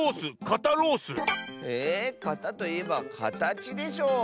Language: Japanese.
「かた」といえばかたちでしょ。